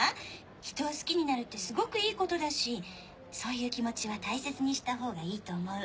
人を好きになるってすごくいいことだしそういう気持ちは大切にしたほうがいいと思う。